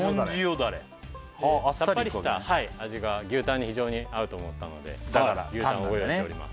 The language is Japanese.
ダレさっぱりした味が牛タンに非常に合うと思ったのでだから牛タンをご用意しております